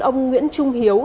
ông nguyễn trung hiếu